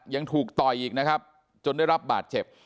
ยังถูกต่อยอีกนะครับจนได้รับบาดเจ็บ